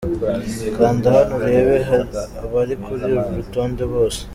Kanda hano urebe abari kuri uru rutonde bose.